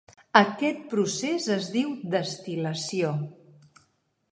Aquest procés es diu destil·lació.